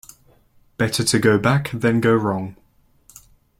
Better to go back than go wrong.